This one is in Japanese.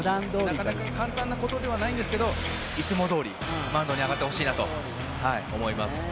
なかなか簡単なことではないですがいつもどおりマウンドに上がってほしいなと思います。